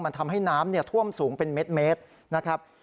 มันทำให้น้ำท่วมสูงเป็นเมตรนะครับ